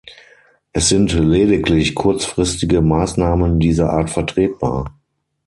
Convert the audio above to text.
Es sind lediglich kurzfristige Maßnahmen dieser Art vertretbar.